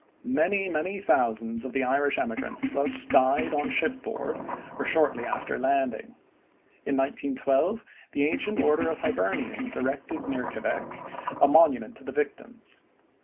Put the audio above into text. Many, many thousands of the Irish emigrants thus died on ship board or shortly after landing. In 1912, the Ancient Order of Hibernians erected near Quebec a monument to the victims.